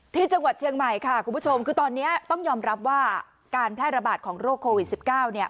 ที่จังหวัดเชียงใหม่ค่ะคุณผู้ชมคือตอนนี้ต้องยอมรับว่าการแพร่ระบาดของโรคโควิด๑๙เนี่ย